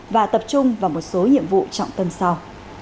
và tập trung vào một số nhiệm vụ trọng tâm sau